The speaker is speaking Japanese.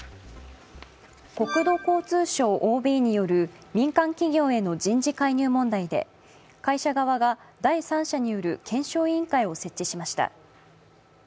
国土交通省ＯＢによる民間企業への人事介入問題で会社側が第三者による検証委員会を設置しました。